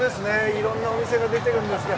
いろいろなお店が出ているんですよ。